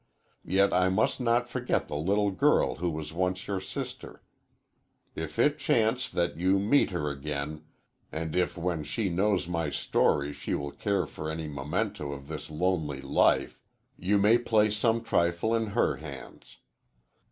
Yet I must not forget the little girl who was once your sister. If it chance that you meet her again, and if when she knows my story she will care for any memento of this lonely life, you may place some trifle in her hands.